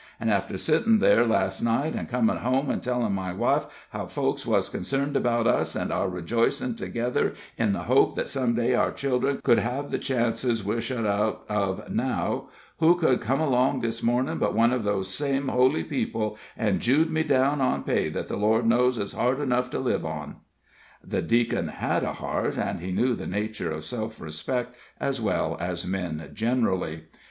An' after sittin' there last night, an' comin' home and tellin' my wife how folks was concerned about us, an' our rejoicin' together in the hope that some day our children could hev the chances we're shut out of now, who should come along this mornin' but one of those same holy people, and Jewed me down on pay that the Lord knows is hard enough to live on." The Deacon had a heart, and he knew the nature of self respect as well as men generally.